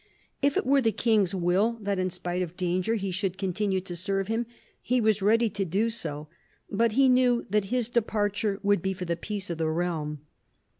If it were the King's will that in spite of danger he should continue to serve him, he was ready to do so, but he knew that his departure would be for the peace of the realm.